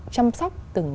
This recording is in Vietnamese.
chăm sóc từng